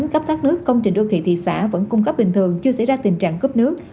các nước công trình đô khị thị xã vẫn cung cấp bình thường chưa xảy ra tình trạng cấp nước